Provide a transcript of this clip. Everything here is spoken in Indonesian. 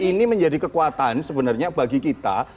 ini menjadi kekuatan sebenarnya bagi kita